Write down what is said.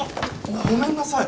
ごめんなさい！